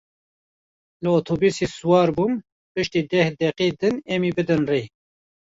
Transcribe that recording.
Li otobusê siwar bûm, pişti deh deqe din em ê bidin rê.